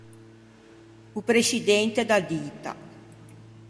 O prescidente da dita.